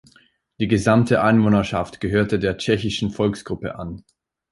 Die gesamte Einwohnerschaft gehörte der tschechischen Volksgruppe an.